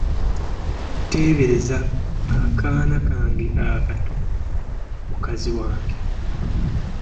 Teebereza! Akaana kange akato , mukazi wange!